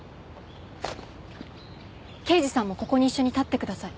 刑事さんもここに一緒に立ってください。